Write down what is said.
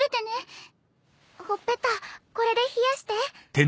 ほっぺたこれで冷やして。